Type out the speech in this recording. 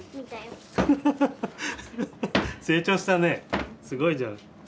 成長したねすごいじゃん。